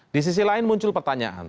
di sisi lain muncul pertanyaan